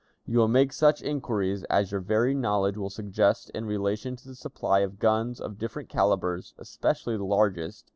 "You will make such inquiries as your varied knowledge will suggest in relation to the supply of guns of different calibers, especially the largest.